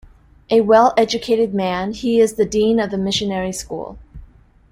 A well-educated man, he is the dean of the missionary school.